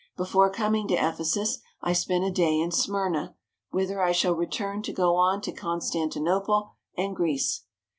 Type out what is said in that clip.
Before coming to Ephesus I spent a day in Smyrna, whither I shall return to go on to Constantinople and Greece.